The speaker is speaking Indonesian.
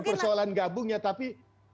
bukan persoalan gabungnya tapi